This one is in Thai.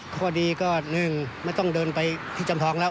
ข้อดีก็๑ไม่ต้องเดินไปที่จำทองแล้ว